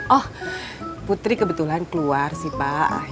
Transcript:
oh putri kebetulan keluar sih pak